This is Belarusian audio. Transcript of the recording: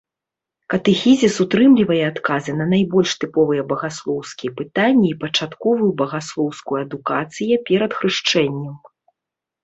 Катэхізіс утрымлівае адказы на найбольш тыповыя багаслоўскія пытанні і пачатковую багаслоўскую адукацыя перад хрышчэннем.